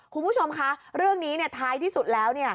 คุณผู้ชมคะเรื่องนี้ท้ายที่สุดแล้ว